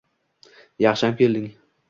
Yaxshiyam kelding